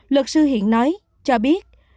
luật sư hiển nói